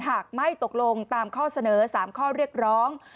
หากไม่ตกลงตามข้อเสนอ๓ข้อเรียกร้อง